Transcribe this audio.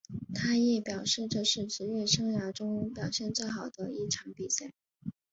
他亦表示这是职业生涯中表现最好的一场比赛。